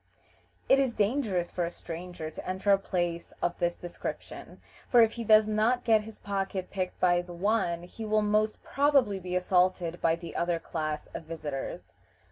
It is dangerous for a stranger to enter a place of this description, for if he does not get his pocket picked by the one, he will most probably be assaulted by the other class of visitors.